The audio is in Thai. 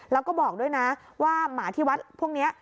แล้วก็บอกด้วยนะว่าหมาที่วัดพวกนี้